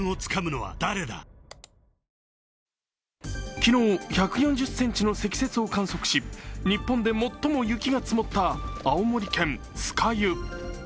昨日、１４０ｃｍの積雪を観測し日本で最も雪が積もった青森県酸ヶ湯。